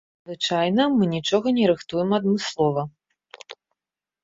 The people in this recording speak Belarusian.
Звычайна мы нічога не рыхтуем адмыслова.